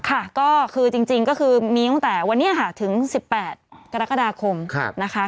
ค่ะก็คือจริงก็คือมีตั้งแต่วันนี้ค่ะถึง๑๘กรกฎาคมนะคะ